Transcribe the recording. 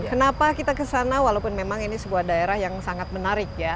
kenapa kita kesana walaupun memang ini sebuah daerah yang sangat menarik ya